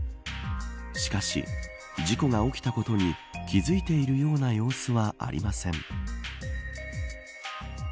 しかし、事故が起きたことに気付いているような様子はありません。